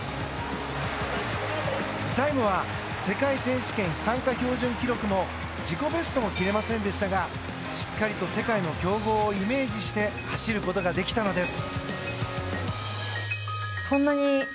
タイムは世界選手権参加標準記録も自己ベストも切れませんでしたがしっかりと世界の強豪をイメージして走ることができたのです。